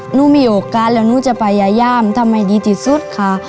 หนูมีโอกาสแล้วหนูจะไปยาย่ามทำไมดีที่สุดค่ะ